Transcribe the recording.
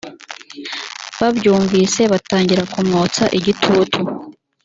babyumvise batangira kumwotsa igitutu